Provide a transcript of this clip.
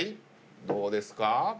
どうですか？